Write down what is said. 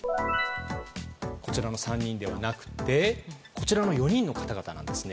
こちらの３人ではなくてこちらの４人の方々なんですね。